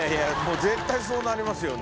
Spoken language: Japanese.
絶対そうなりますよね。